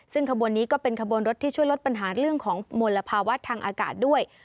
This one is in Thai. ซึ่งขบวนนี้ก็เป็นขบวนรถที่ช่วยลดปัญหาเรื่องของมลภาวะทางอากาศด้วย